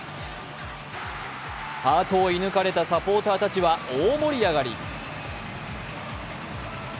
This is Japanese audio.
ハートを射抜かれたサポーターたちは大盛り上がり。